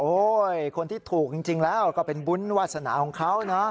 คนที่ถูกจริงแล้วก็เป็นบุญวาสนาของเขานะ